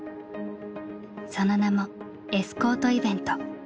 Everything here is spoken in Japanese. その名も「エスコートイベント」。